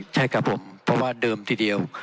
ใช่ครับผมเพราะว่าเดิมทีเดียว